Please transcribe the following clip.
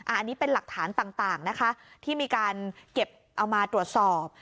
อันนี้เป็นหลักฐานต่างนะคะที่มีการเก็บเอามาตรวจสอบ